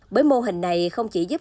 bởi mô hình này không chỉ giúp